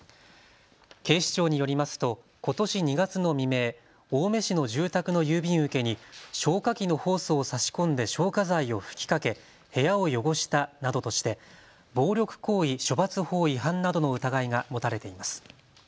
警視庁によりますとことし２月の未明、青梅市の住宅の郵便受けに消火器のホースを差し込んで消火剤を吹きかけ部屋を汚したなどとして暴力行為処罰法違反などの疑いが持たれています。